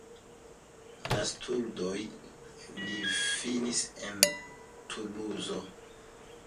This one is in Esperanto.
La studojn li finis en Tuluzo.